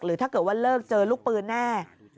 ถ้าเกิดว่าเลิกเจอลูกปืนแน่